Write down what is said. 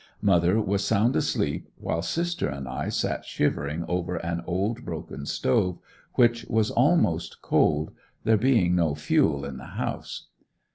Mother was sound asleep, while sister and I sat shivering over an old, broken stove, which was almost cold, there being no fuel in the house.